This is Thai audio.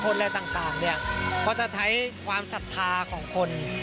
การเดินทางปลอดภัยทุกครั้งในฝั่งสิทธิ์ที่หนูนะคะ